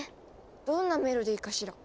どんなメロディーかしら。